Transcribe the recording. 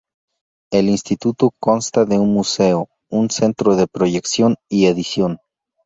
El Instituto consta de un museo, un centro de proyección y edición.